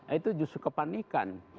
itu justru kepanikan